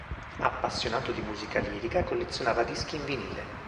Appassionato di musica lirica, collezionava dischi in vinile.